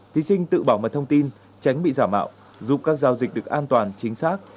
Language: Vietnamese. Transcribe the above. thí sinh tự bảo mật thông tin tránh bị giả mạo giúp các giao dịch được an toàn chính xác